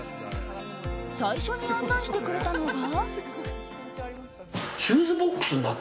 最初に案内してくれたのが。